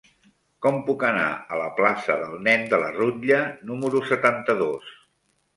Com puc anar a la plaça del Nen de la Rutlla número setanta-dos?